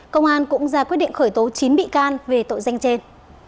công an cũng ra quyết định khởi tố chín bị can về tội danh trên